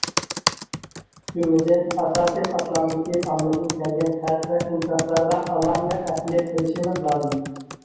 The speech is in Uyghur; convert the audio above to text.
جۈملىدىن، ئاساسىي قاتلامدىكى ئاممىدىن كەلگەن خەت ۋە ئىنكاسلارغا ئالاھىدە ئەھمىيەت بېرىشىمىز لازىم.